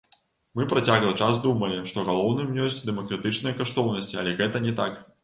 Мы працяглы час думалі, што галоўным ёсць дэмакратычныя каштоўнасці, але гэта не так.